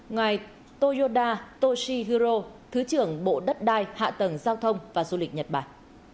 ngài toyoda toshihuro thứ trưởng bộ đất đai hạ tầng giao thông và du lịch nhật bản